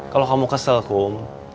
kalau kamu kesel kom